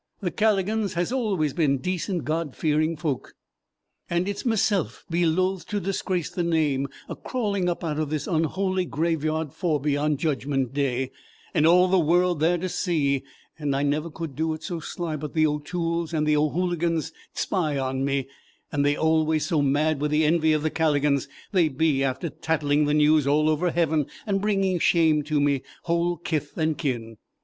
"The Calligans has always been decent, God fearing folks, and it's meself'd be loth to disgrace the name a crawling up out of this unholy graveyard forby on Judgment Day, and all the world there to see, and I never could do it so sly but the O'Tools and the O'Hooligans 'd spy on me, and they always so mad with envy of the Calligans they'd be after tattling the news all over Heaven, and bringing shame to me whole kith and kin."